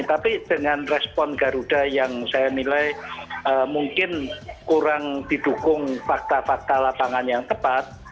tapi dengan respon garuda yang saya nilai mungkin kurang didukung fakta fakta lapangan yang tepat